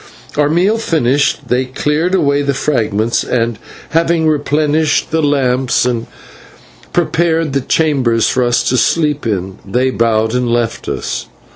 Our meal finished, they cleared away the fragments, and, having replenished the lamps and prepared the chambers for us to sleep in, they bowed and left us.